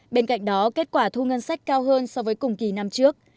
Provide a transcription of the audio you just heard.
bên cạnh đó kết quả thu ngân sách cao hơn so với cùng kỳ năm trước